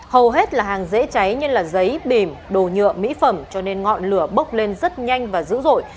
hầu hết là hàng dễ cháy như giấy bìm đồ nhựa mỹ phẩm cho nên ngọn lửa bốc lên rất nhanh và dữ dội